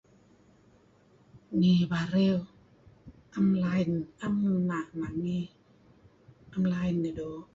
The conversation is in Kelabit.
Ngi Bario 'am line, 'am ena' ngih. 'Am line ihh doo'.